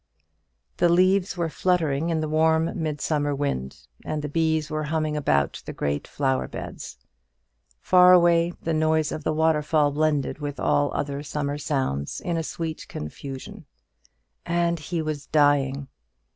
The leaves were fluttering in the warm midsummer wind, and the bees were humming about the great flower beds. Far away the noise of the waterfall blended with all other summer sounds in a sweet confusion. And he was dying!